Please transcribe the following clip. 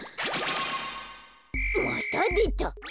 またでた。